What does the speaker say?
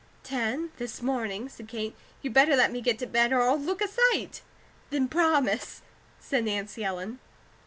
"Ten, this morning," said Kate. "You better let me get to bed, or I'll look a sight." "Then promise," said Nancy Ellen.